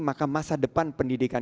maka masa depan pendidikan